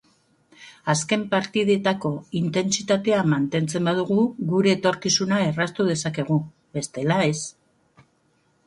Azken partidetako intentsitatea mantentzen badugu gure etorkizuna erraztu dezakegu, bestela, ez.